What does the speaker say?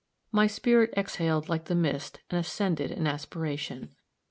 My spirit exhaled like the mist and ascended in aspiration.